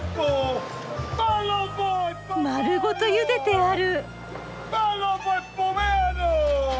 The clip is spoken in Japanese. まるごとゆでてある。